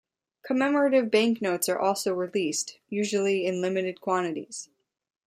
Commemorative banknotes are also released, usually in limited quantities.